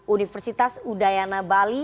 universitas udayana bali